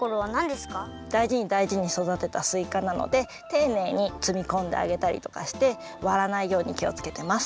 だいじにだいじにそだてたすいかなのでていねいにつみこんであげたりとかしてわらないようにきをつけてます。